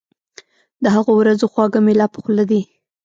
د هغو ورځو خواږه مي لا په خوله دي